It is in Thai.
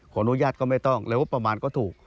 อนุญาตก็ไม่ต้องแล้วงบประมาณก็ถูก